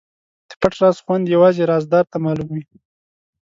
د پټ راز خوند یوازې رازدار ته معلوم وي.